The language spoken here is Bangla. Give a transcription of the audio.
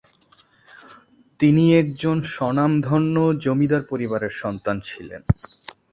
তিনি একজন স্বনামধন্য জমিদার পরিবারের সন্তান ছিলেন।